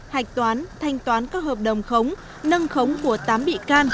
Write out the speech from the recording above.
hạch toán thanh toán các hợp đồng khống nâng khống của tám bị can